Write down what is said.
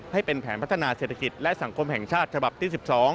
ให้เป็นแผนพัฒนาเศรษฐกิจและสังคมแห่งชาติฉบับที่๑๒